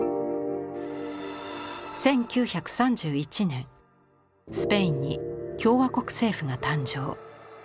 １９３１年スペインに共和国政府が誕生。